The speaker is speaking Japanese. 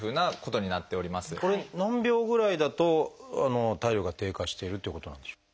これ何秒ぐらいだと体力が低下しているということなんでしょう？